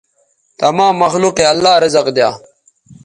تمام مخلوق یے اللہ رزق دیا